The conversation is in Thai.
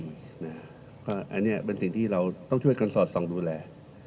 อันนี้เป็นสิ่งที่เราต้องช่วยกันสอดส่องดูแล